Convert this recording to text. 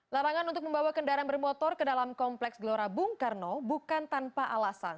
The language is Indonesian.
larangan untuk membawa kendaraan bermotor ke dalam kompleks gelora bung karno bukan tanpa alasan